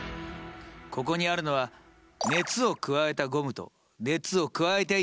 ここにあるのは熱を加えたゴムと熱を加えていないゴムだ。